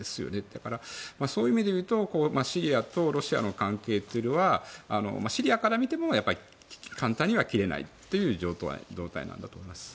だから、そういう意味でいうとシリアとロシアの関係というのはシリアから見ても簡単には切れないという状態なんだと思います。